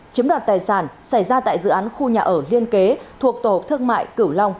chiếm đoạt tài sản xảy ra tại dự án khu nhà ở liên kế thuộc tổ thương mại cửu long